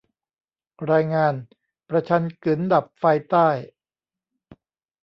รายงาน : ประชันกึ๋นดับไฟใต้